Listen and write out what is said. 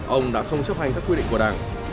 ông đã không chấp hành các quy định của đảng